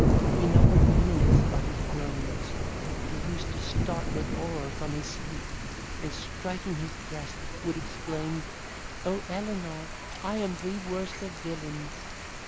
He numbered the minutes by his groans, he used to start with horror from his sleep, and, striking his breast, would exclaim, 'O Elenor! I am the worst of villains!